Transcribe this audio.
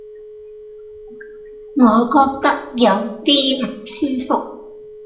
我覺得有啲唔舒服